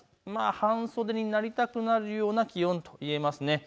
半袖になりたくなるような気温といえます。